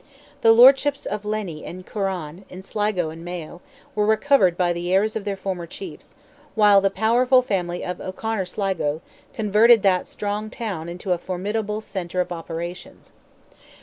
The lordships of Leyny and Corran, in Sligo and Mayo, were recovered by the heirs of their former chiefs, while the powerful family of O'Conor Sligo converted that strong town into a formidable centre of operations.